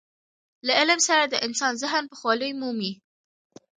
له علم سره د انسان ذهن پوخوالی مومي.